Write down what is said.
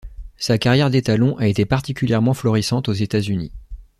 Sa carrière d'étalon a été particulièrement florissante aux États-Unis.